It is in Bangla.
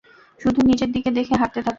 শুধু নিচের দিকে দেখে হাঁটতে থাক।